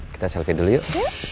kita selfie dulu yuk